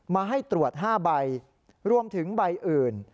มาให้ตรวจ๕ใบรวมถึงใบอื่น